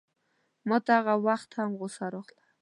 ماته هغه وخت هم غوسه راغله.